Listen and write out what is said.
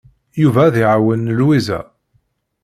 Yuba ad iɛawen Lwiza.